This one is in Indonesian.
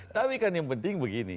tapi kan yang penting begini